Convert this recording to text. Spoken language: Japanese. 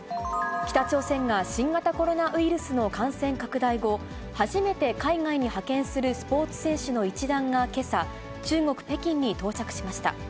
北朝鮮が新型コロナウイルスの感染拡大後、初めて海外に派遣するスポーツ選手の一団がけさ、中国・北京に到着しました。